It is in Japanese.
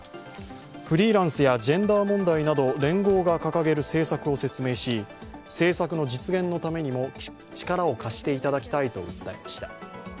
フリーランスやジェンダー問題など連合が掲げる政策を説明し、政策の実現のためにも力を貸していただきたいと訴えました。